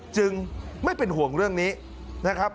จึงไม่เป็นห่วงเรื่องนี้นะครับ